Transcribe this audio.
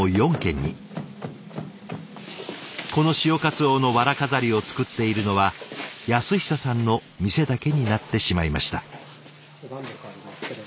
この「潮かつおのわら飾り」を作っているのは安久さんの店だけになってしまいました。